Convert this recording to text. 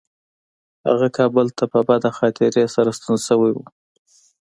هغه کابل ته په بده خاطرې سره ستون شوی و.